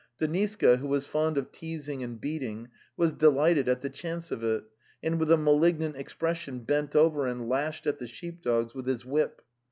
Deniska, who was fond of teasing and beating, was delighted at the chance of it, and with a malignant expression bent over and lashed at the sheep dogs with his whip.